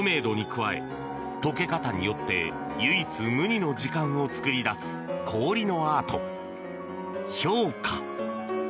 氷の透明度に加え溶け方によって唯一無二の時間を作り出す氷のアート、氷華。